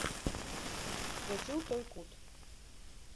Свяці ў той кут.